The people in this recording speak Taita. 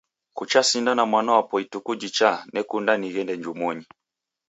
Kucha sinda na mwana wapo ituku jichaa, nekunda nighende njumonyi.